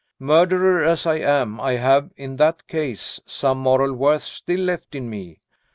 Murderer as I am, I have, in that case, some moral worth still left in me.